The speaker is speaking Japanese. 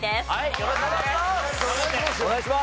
よろしくお願いします！